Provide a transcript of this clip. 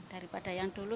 daripada yang dulu